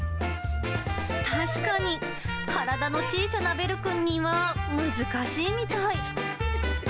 確かに、体の小さなベルくんには難しいみたい。